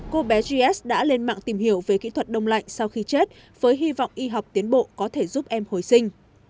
cô bé gs đã lên mạng tìm hiểu về kỹ thuật đông lạnh sau khi chết với hy vọng y học tiến bộ có thể giúp em hồi sinh